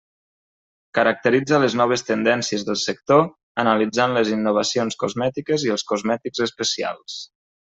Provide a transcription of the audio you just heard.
Caracteritza les noves tendències del sector analitzant les innovacions cosmètiques i els cosmètics especials.